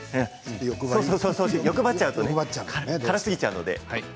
欲張っちゃうとね辛すぎちゃうので。